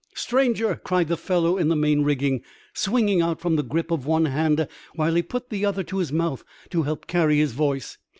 Stranger !" cried the fellow in the main rigging, swinging out from the grip of one hand whilst he put the other to his mouth to help carry his voice.